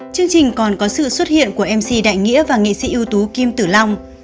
chương trình còn có sự xuất hiện của mc đại nghĩa và nghệ sĩ ưu tú kim tử long